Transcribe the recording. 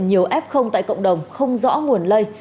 nhiều f tại cộng đồng không rõ nguồn lây